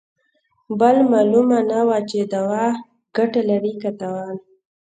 بل مالومه نه وه چې دوا ګته لري که تاوان.